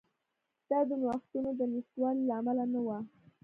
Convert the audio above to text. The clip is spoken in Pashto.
دا د نوښتونو د نشتوالي له امله نه وه.